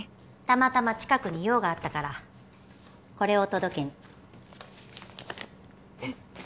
たまたま近くに用があったからこれを届けにえっ？